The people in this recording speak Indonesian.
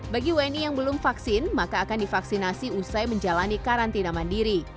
bagi wni yang belum vaksin maka akan divaksinasi usai menjalani karantina mandiri